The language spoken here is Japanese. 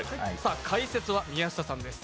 解説は宮下さんです。